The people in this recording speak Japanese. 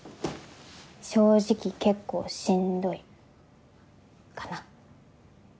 正直結構しんどいかな。